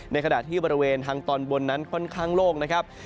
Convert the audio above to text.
ในขณะที่บริเวณทางตอนบนนั้นค่อนข้างโล่งนะครับ